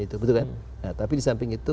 itu betul kan nah tapi di samping itu